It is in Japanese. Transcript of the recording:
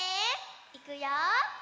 いくよ。